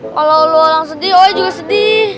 kalo lu orang sedih gue juga sedih